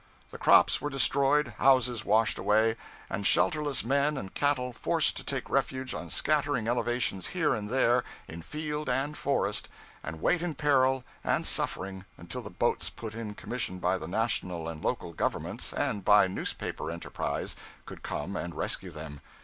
The crops were destroyed, houses washed away, and shelterless men and cattle forced to take refuge on scattering elevations here and there in field and forest, and wait in peril and suffering until the boats put in commission by the national and local governments and by newspaper enterprise could come and rescue them.